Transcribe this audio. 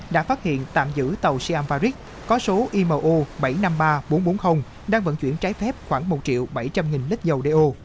đã phát hiện tạm giữ tàu siam varik có số imo bảy trăm năm mươi ba nghìn bốn trăm bốn mươi đang vận chuyển trái phép khoảng một triệu bảy trăm linh nghìn lít dầu đeo